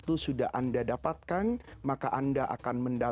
anda akan mendapatkan rasa aman sepanjang pemimpinan anda